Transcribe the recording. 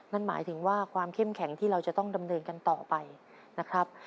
นั่นหมายถึงว่าความเข้มแข็งที่เราจะต้องดำเนินกันต่อไปนะครับ